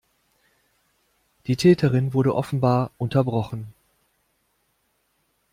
Die Täterin wurde offenbar unterbrochen.